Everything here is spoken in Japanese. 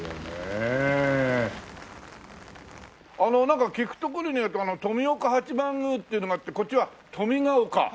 なんか聞くところによると富岡八幡宮っていうのがあってこっちは富賀岡。